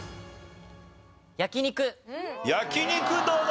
焼肉どうだ？